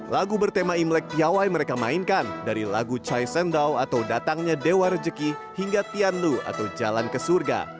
lagu bertema imlek tiawai mereka mainkan dari lagu chai sendaw atau datangnya dewa rezeki hingga tianlu atau jalan kesurga